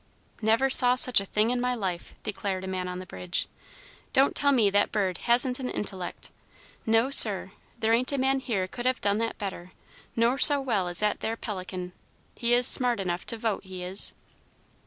"Never saw such a thing in my life!" declared a man on the bridge. "Don't tell me that bird hasn't an intellect. No, sir! There ain't a man here could have done that better, nor so well as that there pelican. He is smart enough to vote, he is!"